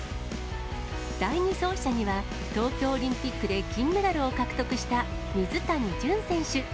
第２走者には、東京オリンピックで金メダルを獲得した水谷隼選手。